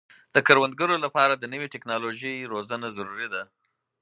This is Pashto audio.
د کروندګرو لپاره د نوې ټکنالوژۍ روزنه ضروري ده.